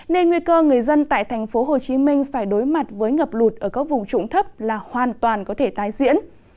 nên nguy cơ người dân tại thành phố hồ chí minh phải đối mặt với ngập lụt ở các vùng trụng thấp là hoàn toàn có thể tái diễn